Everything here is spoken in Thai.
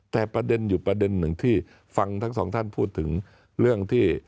แต่ประเด็นอยู่ประเด็นหนึ่งที่ฟังทั้งสองท่านพูดถึงเรื่องที่